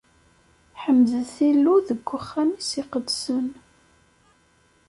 Ḥemdet Illu deg uxxam-is iqedsen!